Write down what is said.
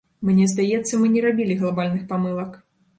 Мне здаецца, мы не рабілі глабальных памылак.